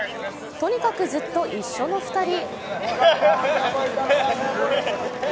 とにかくずっと一緒の２人。